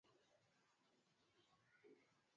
Pia kuna mazao ya biashara ya Kahawa Chai na Tumbaku